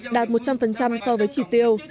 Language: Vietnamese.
đạt một trăm linh so với trị tiêu